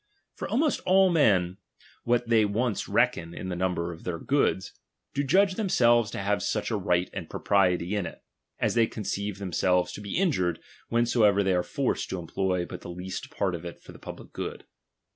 For almost all men, what they once reckon in the number of their goods, do judge themselves to have such a right and propriety in it, as they conceive them DOMINION. 171 !ves to be injured whensoever they are forced to chap. xni. employ but the least part of it for the public good.